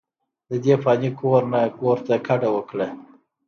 ددې فاني کور نه ګور ته کډه اوکړه،